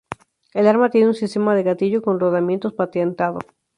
El arma tiene un sistema de gatillo con rodamientos patentado.